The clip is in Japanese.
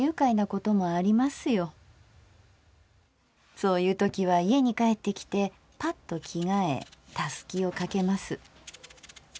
そういうときは家に帰ってきてパッと着替えたすきをかけます。